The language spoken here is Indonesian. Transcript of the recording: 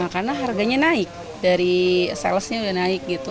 karena harganya naik dari salesnya